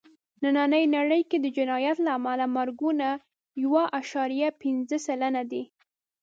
نننۍ نړۍ کې د جنایت له امله مرګونه یو عشاریه پینځه سلنه دي.